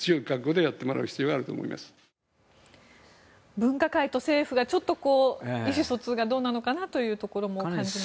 分科会と政府がちょっと意思疎通がどうなのかなというところも感じますね。